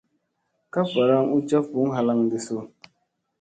Ka varaŋ u njaf buŋ halaŋ ɗi su.